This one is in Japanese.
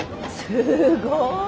すごい！